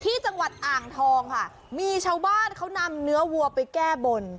ที่จังหวัดอ่างทองค่ะมีชาวบ้านเขานำเนื้อวัวไปแก้บน